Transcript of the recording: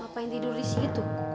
apa yang tidur disitu